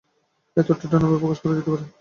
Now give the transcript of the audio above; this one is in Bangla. এই তত্ত্বটি অন্যভাবে প্রকাশ করা যাইতে পারে।